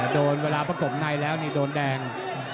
โดนเวลาประกบในแล้วนี่โดนแดง